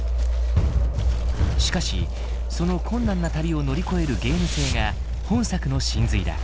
しかしその困難な旅を乗り越えるゲーム性が本作の神髄だ。